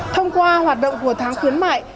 thông qua hoạt động của tháng khuyến mại